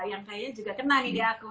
yang kayaknya juga kenal ide aku